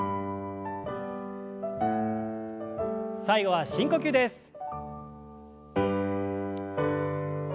最後は深呼吸です。